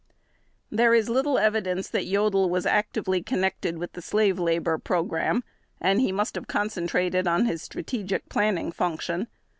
There is little evidence that Jodl was actively connected with the slave labor program, and he must have concentrated on his strategic planning function.